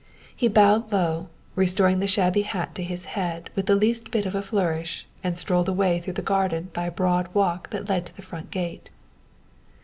He bowed low, restored the shabby hat to his head with the least bit of a flourish and strolled away through the garden by a broad walk that led to the front gate.